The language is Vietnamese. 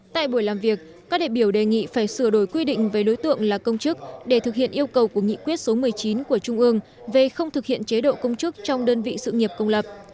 tại buổi làm việc các đại biểu đề nghị phải sửa đổi quy định về đối tượng là công chức để thực hiện yêu cầu của nghị quyết số một mươi chín của trung ương về không thực hiện chế độ công chức trong đơn vị sự nghiệp công lập